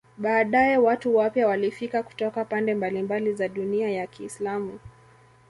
Baadaye watu wapya walifika kutoka pande mbalimbali za dunia ya Kiislamu.